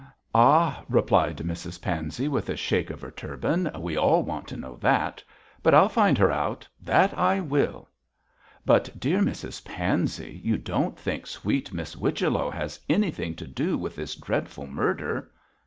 'Ah!' replied Mrs Pansey, with a shake of her turban, 'we all want to know that. But I'll find her out; that I will.' 'But, dear Mrs Pansey, you don't think sweet Miss Whichello has anything to do with this very dreadful murder?'